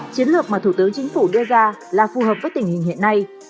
chiến lược mà thủ tướng chính phủ đưa ra là phù hợp với tình hình hiện nay